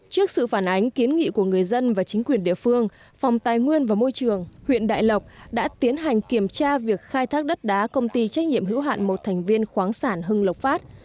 trước sự phản ánh kiến nghị của người dân và chính quyền địa phương phòng tài nguyên và môi trường huyện đại lộc đã tiến hành kiểm tra việc khai thác đất đá công ty trách nhiệm hữu hạn một thành viên khoáng sản hưng lộc phát